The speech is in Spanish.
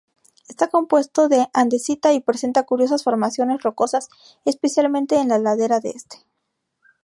Está compuesto de andesita, y presenta curiosas formaciones rocosas, especialmente en la ladera este.